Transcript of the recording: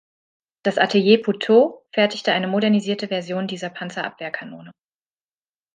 Das Atelier Puteaux fertigte eine modernisierte Version dieser Panzerabwehrkanone.